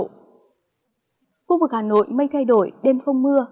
khu vực hà nội mây thay đổi đêm không mưa